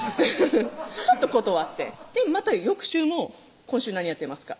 ちょっと断ってまた翌週も「今週何やってますか？」